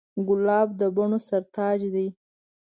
ګلاب د بڼو سر تاج دی.